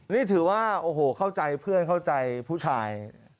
นี่ถือว่าโอ้โหเข้าใจเพื่อนเข้าใจผู้ชาย